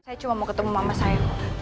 saya cuma mau ketemu mama saya kok